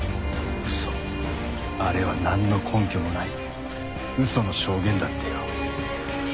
あれはなんの根拠もない嘘の証言だってよ。